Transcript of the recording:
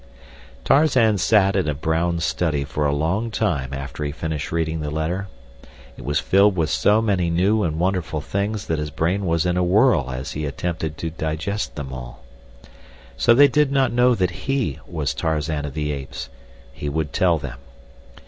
Tarzan sat in a brown study for a long time after he finished reading the letter. It was filled with so many new and wonderful things that his brain was in a whirl as he attempted to digest them all. So they did not know that he was Tarzan of the Apes. He would tell them.